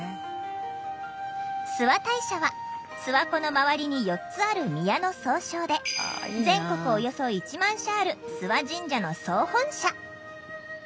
諏訪大社は諏訪湖の周りに４つある宮の総称で全国およそ１万社ある諏訪神社の総本社。